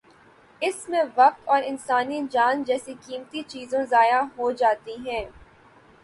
اس میں وقت اور انسانی جان جیسی قیمتی چیزوں ضائع ہو جاتی ہیں۔